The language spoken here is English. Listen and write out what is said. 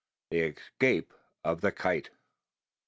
THE ESCAPE OF THE KITE.